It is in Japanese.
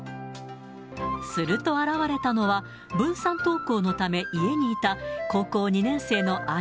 すると現れたのは、分散登校のため家にいた高校２年生の兄。